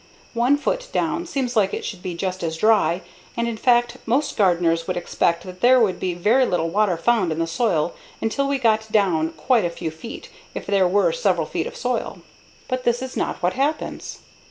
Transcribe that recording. One foot down seems like it should be just as dry, and in fact, most gardeners would expect that there would be very little water found in the soil until we got down quite a few feet if there were several feet of soil. But that is not what happens!